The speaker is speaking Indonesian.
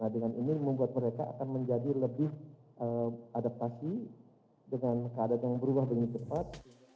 dengan ini membuat mereka akan menjadi lebih adaptasi dengan keadaan yang berubah dengan cepat